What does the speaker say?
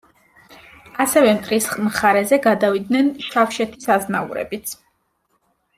ასევე მტრის მხარეზე გადავიდნენ შავშეთის აზნაურებიც.